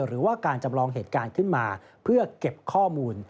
หรือว่าการจำลองเหตุการณ์ขึ้นมาเพื่อเก็บข้อมูล